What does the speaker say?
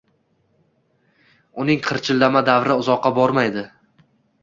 Uning qirchillama davri uzoqqa bormaydi